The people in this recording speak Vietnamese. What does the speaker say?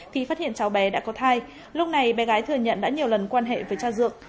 thì phát hiện cháu bé đã có thai lúc này bé gái thừa nhận đã nhiều lần quan hệ với cha dượng